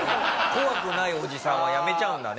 怖くないおじさんは辞めちゃうんだね。